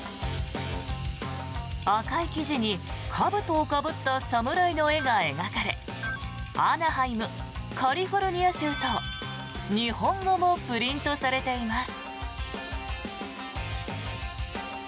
赤い生地にかぶとをかぶった侍の絵が描かれ「アナハイム」「カリフォルニア州」と日本語もプリントされています。